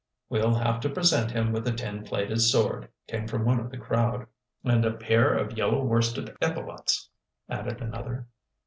"We'll have to present him with a tin plated sword," came from one of the crowd. "And a pair of yellow worsted epaulets," added another.